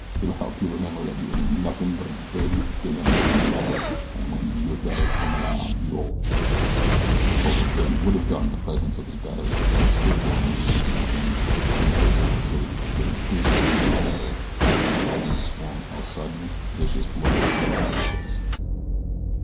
It'll help you remember that you ain't nothin' but a dirty damn landlubber, an' when your betters come around you'll " But what Billy would have done in the presence of his betters remained stillborn in the mate's imagination in the face of what Billy really did do to his better as that worthy swung a sudden, vicious blow at the mucker's face.